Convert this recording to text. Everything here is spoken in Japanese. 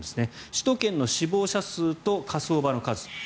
首都圏の死亡者数と火葬場の数。